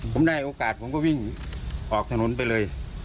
ผมได้โอกาสผมก็วิ่งออกถนนไปเลย